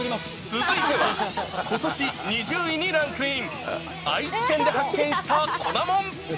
続いては、ことし２０位にランクイン、愛知県で発見した粉もん。